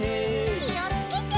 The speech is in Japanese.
きをつけて。